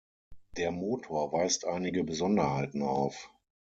Der Motor weist einige Besonderheiten auf.